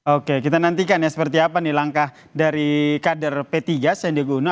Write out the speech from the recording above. oke kita nantikan ya seperti apa nih langkah dari kader p tiga sandiaga uno